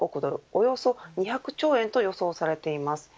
およそ２００兆円と予想されています。